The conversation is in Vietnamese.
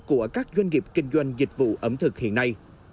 của các doanh nghiệp kinh doanh dịch vụ ẩm thực hiện nay